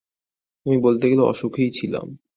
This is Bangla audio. আমি বলতে গেলে অসুখীই ছিলাম।